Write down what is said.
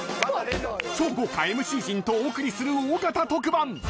超豪華ＭＣ陣とお送りする大型特番。